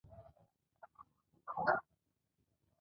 هېواد د ازادۍ فضا ده.